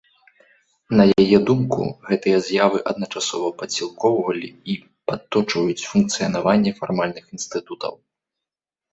На яе думку, гэтыя з'явы адначасова падсілкоўвалі і падточваюць функцыянаванне фармальных інстытутаў.